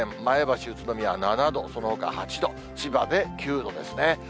前橋、宇都宮７度、そのほかは８度、千葉で９度ですね。